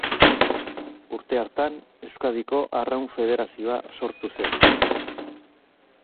Urte hartan Euskadiko Arraun Federazioa sortu zen.